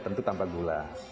tentu tanpa gula